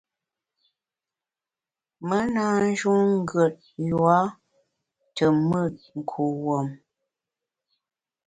Me na njun ngùet yua te mùt kuwuom.